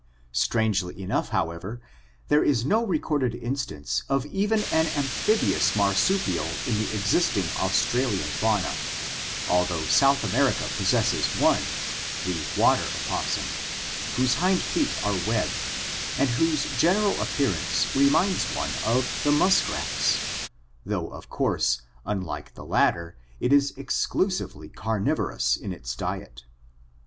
Strangely enough, however, there is no recorded instance of even an amphibious marsupial in the existing Australian fauna, although South America possesses one, the water opossum (Ckironectcs), whose hind feet are webbed and whose general appearance reminds one of the muskrats, though of course, unlike the latter, it is ex clusively carnivorous in its diet.